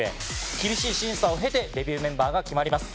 厳しい審査を経てデビューメンバーが決まります。